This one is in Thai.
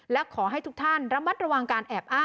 และขอให้ทุกท่านระมัดระวังการแอบอ้าง